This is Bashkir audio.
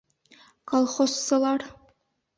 Колхозсылар: